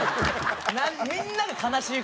みんなが悲しい顔を。